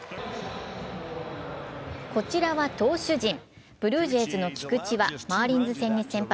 こちらは投手陣、ブルージェイズの菊池はマーリンズ戦に先発。